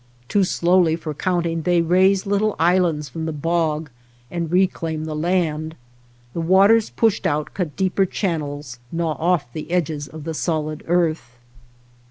Too slowly for counting they raise little islands from the bog and reclaim the land. The waters pushed out cut deeper channels, gnaw off the edges of the solid earth.